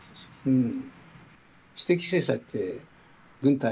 うん。